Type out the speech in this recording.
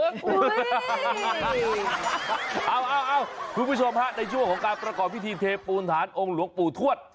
คุณผู้ชมฮะในช่วงของการประกอบพิธีเทปูนฐานองค์หลวงปู่ทวด